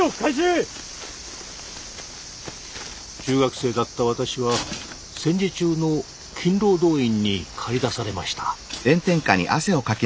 中学生だった私は戦時中の勤労動員に駆り出されました。